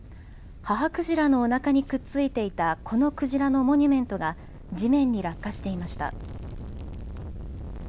母クジラのおなかにくっついていた子のクジラのモニュメントが地面に落下していました。